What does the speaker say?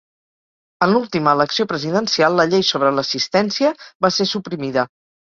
En l'última elecció presidencial la llei sobre l'assistència va ser suprimida.